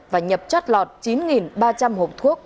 và nhập chót lọt chín ba trăm linh hộp thuốc